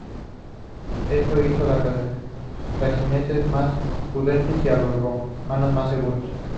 Esto hizo a los cartagineses más prudentes y a los romanos más seguros.